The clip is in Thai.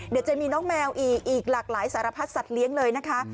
เดี๋ยวจะมีน้องแมวอีกอีกหลากหลายสารพัดสัตว์เลี้ยงเลยนะคะ